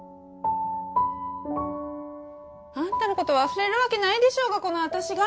あんたの事忘れるわけないでしょうがこの私が！